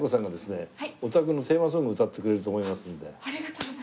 おたくのテーマソング歌ってくれると思いますんで。